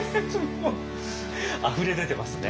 もうあふれ出てますね。